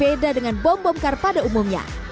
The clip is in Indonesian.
beda dengan bom bom kar pada umumnya